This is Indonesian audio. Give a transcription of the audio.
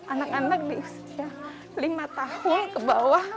anak anak di usia lima tahun ke bawah